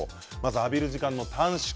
浴びる時間の短縮